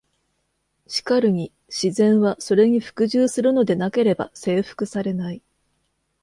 しかるに「自然は、それに服従するのでなければ征服されない」。